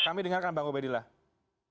iya kami dengarkan bang obeidillah